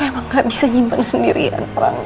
emang gak bisa nyimpen sendirian orang